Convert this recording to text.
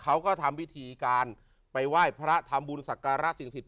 เขาก็ทำวิธีการไปไหว้พระทำบุญสักการะสิ่งสิทธ